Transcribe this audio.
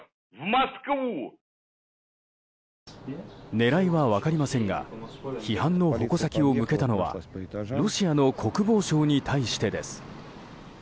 狙いは分かりませんが批判の矛先を向けたのはロシアの国防省に対してです。